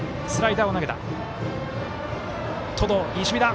登藤、いい守備だ。